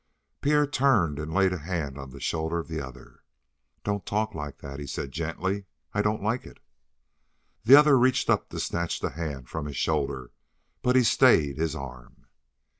Pierre turned and laid a hand on the shoulder of the other. "Don't talk like that," he said gently. "I don't like it." The other reached up to snatch the hand from his shoulder, but he stayed his arm.